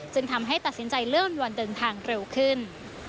จึงทำให้ตัดสินใจเลื่อนวันเดินทางเร็วขึ้น